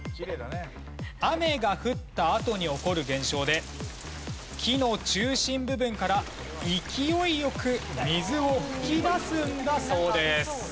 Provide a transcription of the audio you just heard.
雨が降ったあとに起こる現象で木の中心部分から勢いよく水を噴き出すんだそうです。